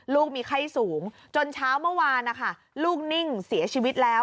ลูกมีไข้สูงจนเช้าเมื่อวานนะคะลูกนิ่งเสียชีวิตแล้ว